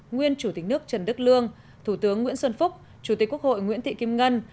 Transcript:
nguyên chủ tịch nước trần đức lương thủ tướng nguyễn xuân phúc chủ tịch quốc hội nguyễn thị kim ngân